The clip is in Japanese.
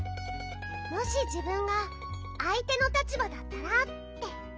もしじぶんがあい手の立ばだったらって。